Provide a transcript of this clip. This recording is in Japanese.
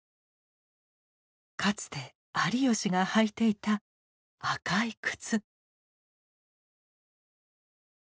かつて有吉が履いていた赤い靴。